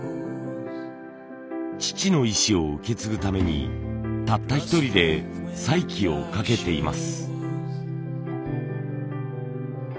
父の意志を受け継ぐためにたった一人で再起をかけています。